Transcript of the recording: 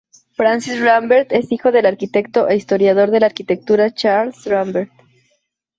Francis Rambert es hijo del arquitecto e historiador de la arquitectura, Charles Rambert.